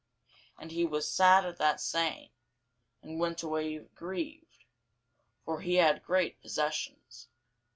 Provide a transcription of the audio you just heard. And he was sad at that saying, and went away grieved: for he had great possessions.